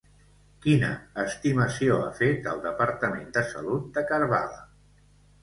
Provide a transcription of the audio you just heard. Quina estimació ha fet el Departament de Salut de Karbala?